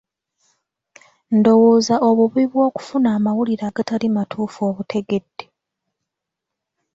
Ndowooza obubi bwokufuna amawulire agatali matuufu obutegedde?